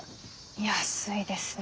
安いですね。